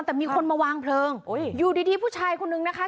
แต่มีคนมาวางเพลิงอยู่ดีผู้ชายคนนึงนะคะ